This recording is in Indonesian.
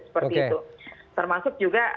seperti itu termasuk juga